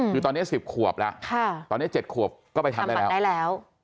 อยู่ตอนนี้๑๐ขวบแล้วตอนนี้๗ขวบก็ไปทำได้แล้ว